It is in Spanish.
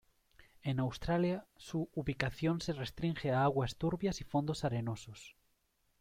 En Australia su ubicación se restringe a aguas turbias y fondos arenosos.